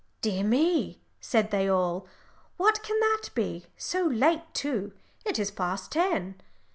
"Dear me," said they all, "what can that be? So late, too; it is past ten."